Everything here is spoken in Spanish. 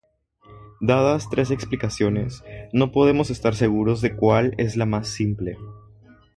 Dadas tres explicaciones, no podemos estar seguros de cuál es la más simple.